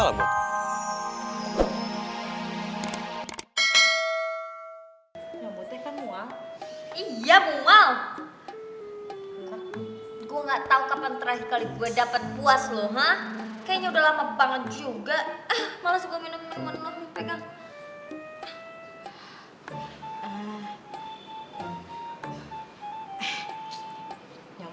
sampai jumpa di video selanjutnya